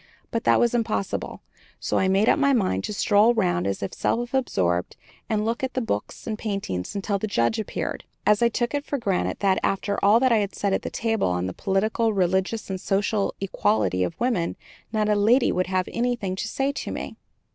But that was impossible, so I made up my mind to stroll round as if self absorbed, and look at the books and paintings until the Judge appeared; as I took it for granted that, after all I had said at the table on the political, religious, and social equality of women, not a lady would have anything to say to me.